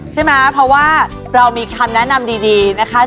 ใช่ไหมเพราะว่าเรามีคำแนะนำดีนะคะ